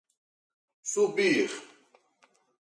subir